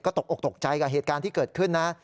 ตกออกตกใจกับเหตุการณ์ที่เกิดขึ้นนะ